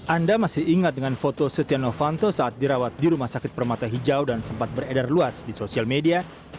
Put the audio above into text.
anda masih ingat dengan foto setia novanto saat dirawat di rumah sakit permata hijau dan sempat beredar luas di sosial media